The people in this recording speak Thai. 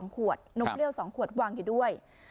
ขวดนมเปรี้ยว๒ขวดวางอยู่ด้วย